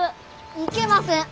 いけません。